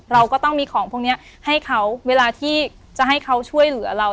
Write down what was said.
เราก็ต้องมีของพวกนี้ให้เขาเวลาที่จะให้เขาช่วยเหลือเรา